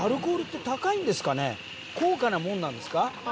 高価なものなんですか？